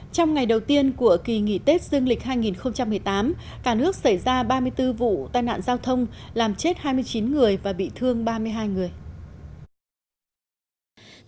trong ngày đầu tiên của kỳ nghỉ tết dương lịch hai nghìn một mươi tám cả nước xảy ra ba mươi bốn vụ tai nạn giao thông làm chết hai mươi chín người và bị thương ba mươi hai người